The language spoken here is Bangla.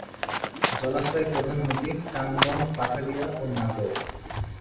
জলাশয় প্রধান নদী: টাংগণ, পাথারিয়া ও নাগর।